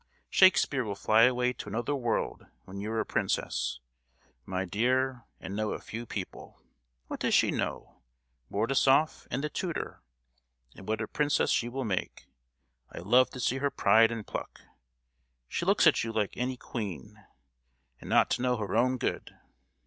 Shakespeare will fly away to another world when you're a princess, my dear, and know a few people. What does she know? Mordasoff and the tutor! And what a princess she will make. I love to see her pride and pluck. She looks at you like any queen. And not to know her own good!